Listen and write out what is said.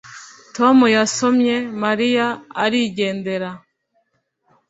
tom yasomye mariya arigendera